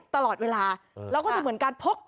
ตลอดเวลาแล้วก็จะเหมือนการพก